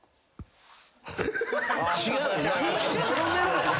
違う。